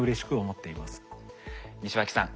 西脇さん